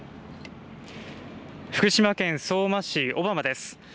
福島県相馬市小浜です。